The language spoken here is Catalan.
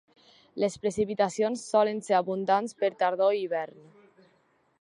Les precipitacions solen ser abundants per tardor i hivern.